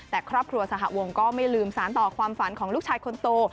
แต่ครอบครัวสหวงก็ไม่ลืมสารต่อความฝันของลูกชายคนโต